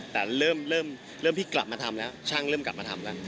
แต่เริ่มที่กลับมาทำแล้วช่างเริ่มกลับมาทำแล้ว